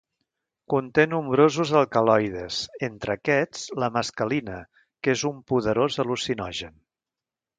Conté nombrosos alcaloides, entre aquests la mescalina, que és un poderós al·lucinogen.